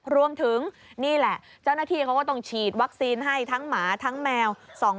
รวมถึงนี่แหละเจ้าหน้าที่เขาก็ต้องฉีดวัคซีนให้ทั้งหมาทั้งแมว